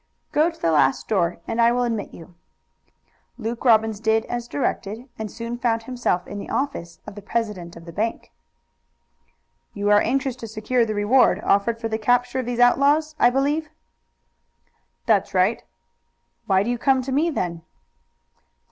"Go to the last door and I will admit you." Luke Robbins did as directed, and soon found himself in the office of the president of the bank. "You are anxious to secure the reward offered for the capture of these outlaws, I believe." "That's straight." "Why do you come to me, then?"